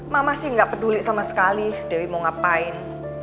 ma masih gak peduli sama sekali dewi mau ngapain